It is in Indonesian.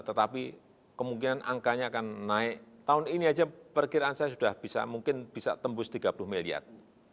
tetapi kemungkinan angkanya akan naik tahun ini saja perkiraan saya sudah bisa mungkin bisa tembus tiga puluh miliar